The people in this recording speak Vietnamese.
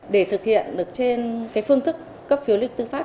để thực hiện được trên phương thức cấp phiếu lý tư pháp